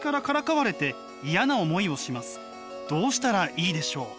「どうしたらいいでしょう？」。